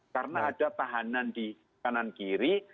karena ada tahanan di kanan kiri